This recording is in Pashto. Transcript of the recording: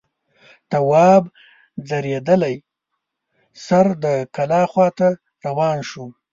تواب ځړېدلی سر د کلا خواته روان شو.